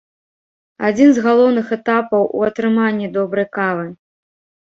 Адзін з галоўных этапаў у атрыманні добрай кавы.